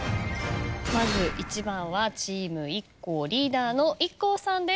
まず１番はチームＩＫＫＯリーダーのＩＫＫＯさんです。